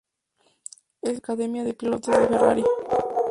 Es miembro de la Academia de Pilotos de Ferrari.